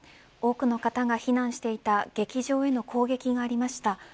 多くの方が避難していた劇場への攻撃がありました。